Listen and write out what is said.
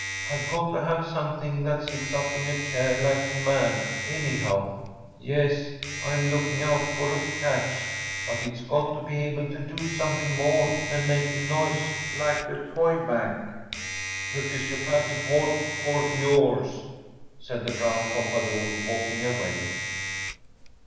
I’ve got to have something that sits up in a chair like a man, anyhow. Yes, I’m looking out for a catch; but it’s got to be able to do something more than make a noise like a toy bank.‚ÄĚ “The physiopathic ward for yours!‚ÄĚ said the brown pompadour, walking away.